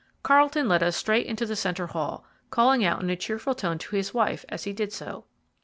Carlton led us straight into the centre hall, calling out in a cheerful tone to his wife as he did so.